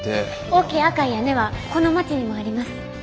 大きい赤い屋根はこの町にもあります。